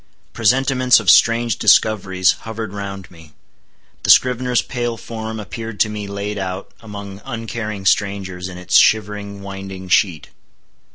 Presentiments of strange discoveries hovered round me. The scrivener's pale form appeared to me laid out, among uncaring strangers, in its shivering winding sheet.